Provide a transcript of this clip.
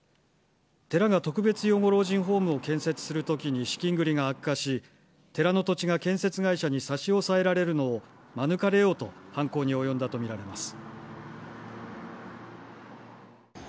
寺が特別養護老人ホームを建設するときに資金繰りが悪化し寺の土地が建設会社に差し押さえられるのを免れようと犯行に及んだとみられます。